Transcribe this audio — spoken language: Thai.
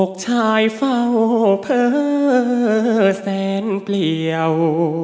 ชายเฝ้าเผลอแสนเปลี่ยว